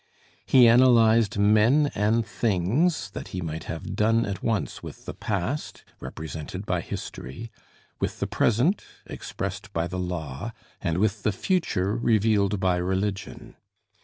He analyzed men and things that he might have done at once with the past, represented by history, with the present, expressed by the law, and with the future revealed by religion.